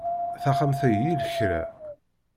Taxxamt-ayi i lekra.